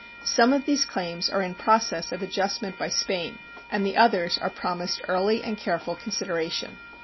Some of these claims are in process of adjustment by Spain, and the others are promised early and careful consideration.